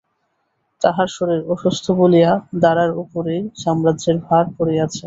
তাঁহার শরীর অসুস্থ বলিয়া দারার উপরেই সাম্রাজ্যের ভার পড়িয়াছে।